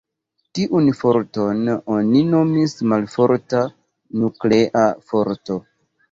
Tiun forton oni nomis malforta nuklea forto.